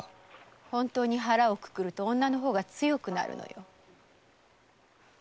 本当に肚をくくると女の方が強くなるのよ。